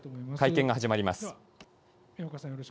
会見が始まります。